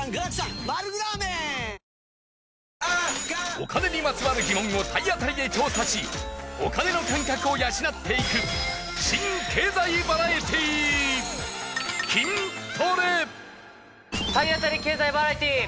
お金にまつわる疑問を体当たりで調査しお金の感覚を養っていく新経済バラエティー体当たり経済バラエティー！